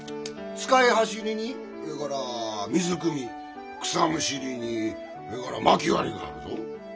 使い走りにそれから水くみ草むしりにそれから薪割りがあるぞ。